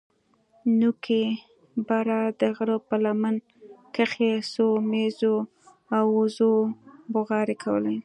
نوكي بره د غره په لمن کښې څو مېږو او وزو بوغارې کولې.